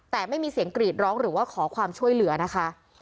แต่ไม่มีเสียงกรีดร้องหรือว่าขอความช่วยเหลือนะคะ